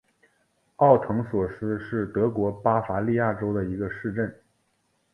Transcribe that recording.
奥滕索斯是德国巴伐利亚州的一个市镇。